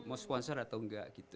mau sponsor atau enggak gitu